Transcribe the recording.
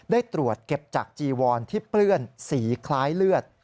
ได้ตรวจเก็บจากจีวอนที่เปื้อนสีคล้ายเลือด